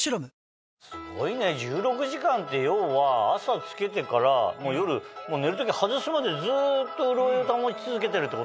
すごいね１６時間って要は朝着けてから夜寝る時外すまでずっと潤いを保ち続けてるってことでしょ？